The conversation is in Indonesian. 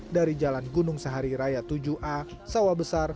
dari jalan gunung sahari raya tujuh a sawah besar